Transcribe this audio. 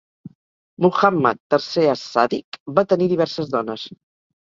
Muhàmmad III as-Sàdiq va tenir diverses dones.